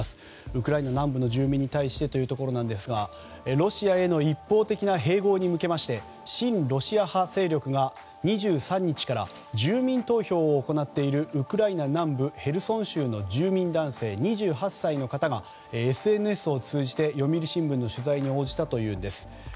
ウクライナ南部の住民に対してというところですがロシアへの一方的な併合に向けて親ロシア派勢力が２３日から住民投票を行っているウクライナ南部ヘルソン州の住民男性、２８歳の方がＳＮＳを通じて読売新聞の取材に応じたというのです。